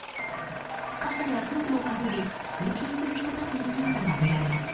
傘やフードをかぶり通勤する人たちの姿が見られました。